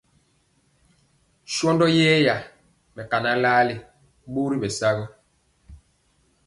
Shɔndɔ yɛra mɛkaa laali ɓɔri bɛ sa.